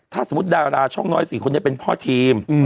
ถ้าสมมุติดาราช่องน้อย๔คนนี้เป็นพ่อทีม